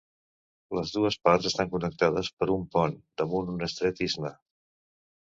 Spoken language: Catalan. Les dues parts estan connectades per un pont damunt un estret istme.